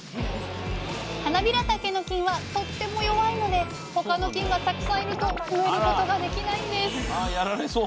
はなびらたけの菌はとっても弱いので他の菌がたくさんいると増えることができないんですあやられそう。